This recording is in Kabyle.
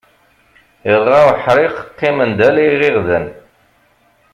Irɣa uḥriq qqimen-d ala iɣiɣden.